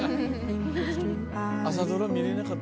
朝ドラ見れなかったの？